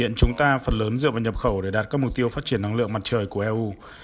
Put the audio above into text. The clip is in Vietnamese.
hiện chúng ta phần lớn dựa vào nhập khẩu để đạt các mục tiêu phát triển năng lượng mặt trời của eu